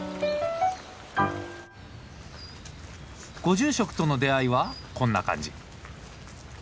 ご住職との出会いはこんな感じ。